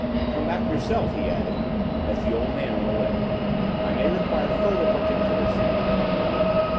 "Come back, yourself," he added, as the old man went away; "I may require further particulars from you."